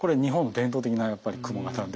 伝統的なやっぱり雲形で。